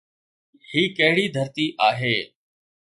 هي ڪهڙي ڌرتي آهي؟